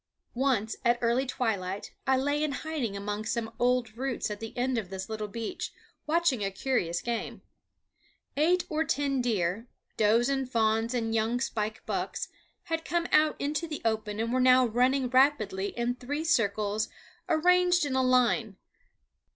Once, at early twilight, I lay in hiding among some old roots at the end of this little beach, watching a curious game. Eight or ten deer, does and fawns and young spike bucks, had come out into the open and were now running rapidly in three circles arranged in a line, so, oOo.